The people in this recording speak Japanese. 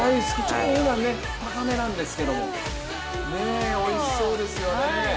お値段が少し高めなんですけれども、おいしそうですよね。